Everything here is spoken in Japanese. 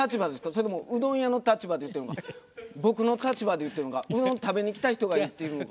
それともうどん屋の立場で言ってるのか僕の立場で言ってるのかうどん食べに来た人が言っているのか